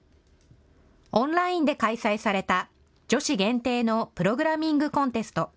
オンラインで開催された女子限定のプログラミングコンテスト。